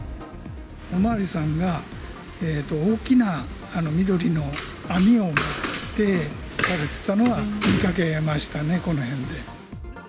お巡りさんが大きな緑の網を持って、歩いてたのは見かけましたね、この辺で。